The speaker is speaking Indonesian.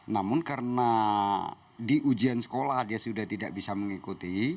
namun karena di ujian sekolah dia sudah tidak bisa mengikuti